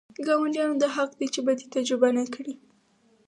ګاونډیانو دا حق دی چې بدي تجربه نه کړي.